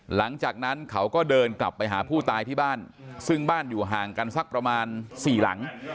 หลังจากนั้นเขาก็เดินกลับไปหาผู้ตายที่บ้านซึ่งบ้านอยู่ห่างกันสักประมาณสี่หลัง